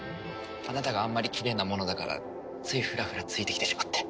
あなたがあんまりきれいなものだからついフラフラついてきてしまって。